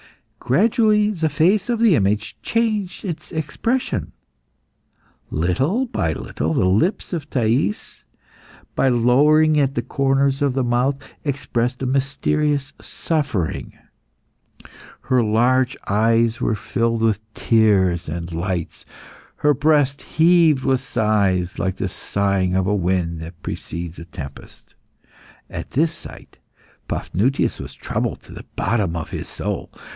Gradually the face of the image changed its expression. Little by little the lips of Thais, by lowering at the corners of the mouth, expressed a mysterious suffering. Her large eyes were filled with tears and lights; her breast heaved with sighs, like the sighing of a wind that precedes a tempest. At this sight Paphnutius was troubled to the bottom of his soul.